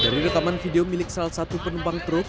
dari rekaman video milik salah satu penumpang truk